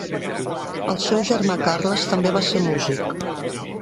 El seu germà Carles també va ser músic.